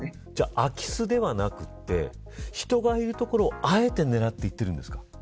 空き巣ではなくて人がいるところを、あえて狙っていっているんですか。